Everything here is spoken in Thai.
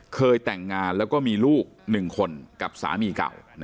เคยแต่งงานแล้วก็มีลูก๑คนกับสามีเก่า